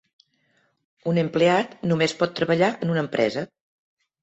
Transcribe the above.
Un empleat només pot treballar en una empresa.